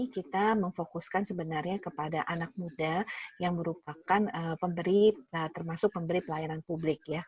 kita memfokuskan sebenarnya kepada anak muda yang merupakan pemberi termasuk pemberi pelayanan publik ya